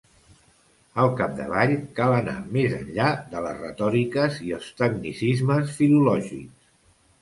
Al capdavall, cal anar més enllà de les retòriques i els tecnicismes filològics.